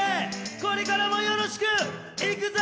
これからもよろしく、いくぞ！